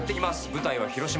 舞台は広島。